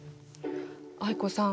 藍子さん